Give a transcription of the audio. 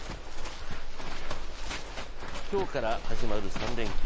今日から始まる３連休。